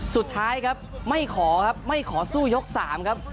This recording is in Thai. สุดท้ายครับไม่ขอครับไม่ขอสู้ยก๓ครับ